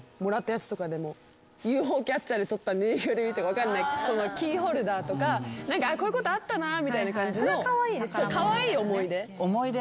ＵＦＯキャッチャーで取った縫いぐるみとかキーホルダーとか何かこういうことあったなみたいな感じの。